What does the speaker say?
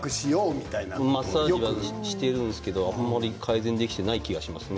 マッサージはしているんですけどあんまり改善できていない気がしますね。